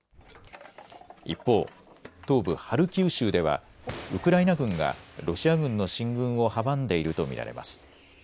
一方、東部ハルキウ州ではウクライナ軍がロシア軍の進軍を阻んでいると見られます。